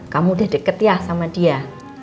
kamu udah deket ya sama dia